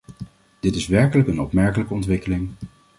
Dit is werkelijk een opmerkelijke ontwikkeling.